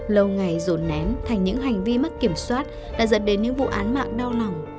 lâu ngày rồn nén thành những hành vi mất kiểm soát đã dẫn đến những vụ án mạng đau lòng